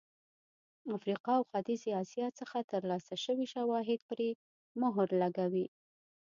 افریقا او ختیځې اسیا څخه ترلاسه شوي شواهد پرې مهر لګوي.